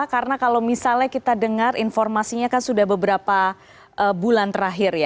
karena kalau misalnya kita dengar informasinya kan sudah beberapa bulan terakhir